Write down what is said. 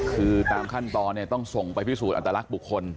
คือตามขั้นตอนต้องส่งไปพิสูจน์อัตรรักบุคคล